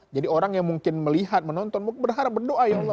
jadi orang yang mungkin melihat menonton berharap berdoa ya allah